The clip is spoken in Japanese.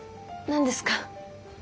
何ですか？